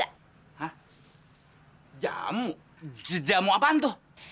nah jamu jamu apaan tuh